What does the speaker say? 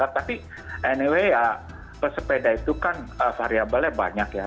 tapi anyway ya pesepeda itu kan variabelnya banyak ya